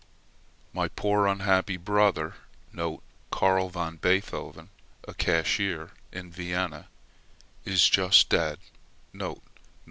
My poor unhappy brother [Carl v. Beethoven, a cashier in Vienna] is just dead [Nov.